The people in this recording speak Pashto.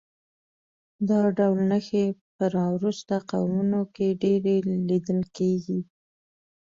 دا ډول نښې په راوروسته قومونو کې ډېرې لیدل کېږي